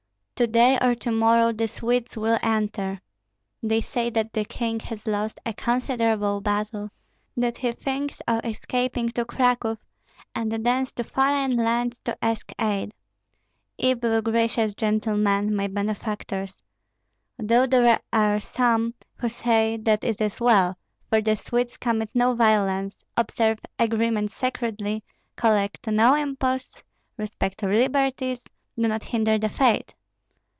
To day or to morrow the Swedes will enter. They say that the king has lost a considerable battle, that he thinks of escaping to Cracow, and thence to foreign lands to ask aid. Evil, gracious gentlemen, my benefactors! Though there are some who say that it is well; for the Swedes commit no violence, observe agreements sacredly, collect no imposts, respect liberties, do not hinder the faith.